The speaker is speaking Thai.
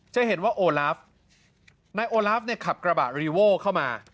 จะเห็นว่าโอลาฟนายโอลาฟเนี่ยขับกระบะรีโว้เข้ามา